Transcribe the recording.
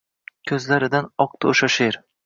Ko’zlaridan oqdi o’sha she’r!